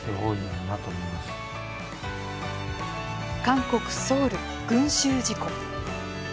韓国ソウル、群衆事故。